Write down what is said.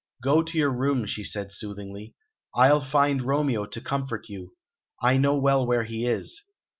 "Go to your room," she said soothingly. "I'll find Romeo to comfort you. I know well where he is.